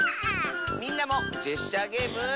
みんなもジェスチャーゲーム。